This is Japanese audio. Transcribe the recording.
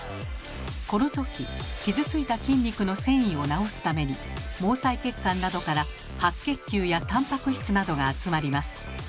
このとき傷ついた筋肉の線維を治すために毛細血管などから白血球やタンパク質などが集まります。